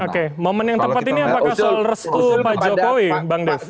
oke momen yang tepat ini apakah soal restu pak jokowi bang dev